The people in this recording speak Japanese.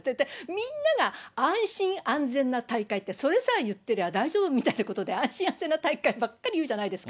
みんなが安心安全な大会って、それさえ言っていれば大丈夫みたいなことで、安心安全な大会ばっかり言うじゃないですか。